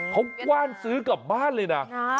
เขากว้านซื้อกลับบ้านเลยนะ